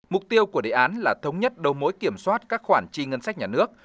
mục tiêu của đề án là thống nhất đầu mối kiểm soát các khoản chi ngân sách nhà nước